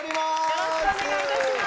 よろしくお願いします。